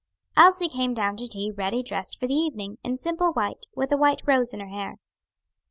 Elsie came down to tea ready dressed for the evening, in simple white, with a white rose in her hair.